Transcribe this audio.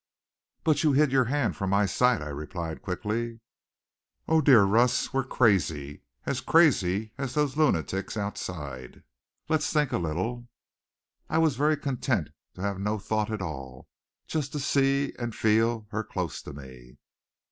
"But you hid your hand from my sight," I replied quickly. "Oh dear Russ, we're crazy as crazy as those lunatics outside. Let's think a little." I was very content to have no thought at all, just to see and feel her close to me.